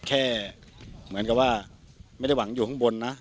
แค่เหมือนกับว่าไม่ได้หวังอยู่ข้างบนนะ